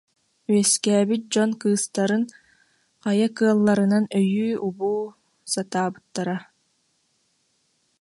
үөскээбит дьон кыыстарын хайа кыалларынан өйүү- убуу сатаабыттара